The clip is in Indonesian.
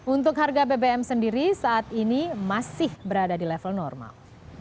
untuk harga bbm sendiri saat ini masih berada di level normal